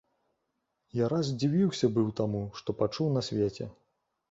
Я раз здзівіўся быў таму, што пачуў на свеце.